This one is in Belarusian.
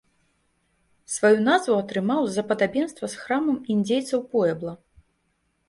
Сваю назву атрымаў з-за падабенства з храмам індзейцаў-пуэбла.